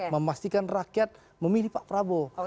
memastikan rakyat memilih pak prabowo